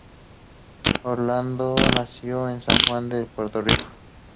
Orlando nació en San Juan de Puerto Rico.